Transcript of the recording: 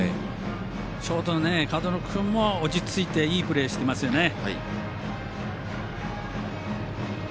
ショートの門野君も落ち着いていいプレーしてますよね。